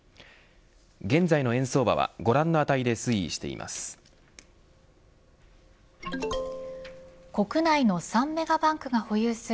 現在の円相場はご覧の値で推移しています。